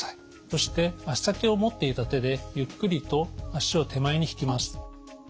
そして足先を持っていた手でゆっくりと足を手前に引きます。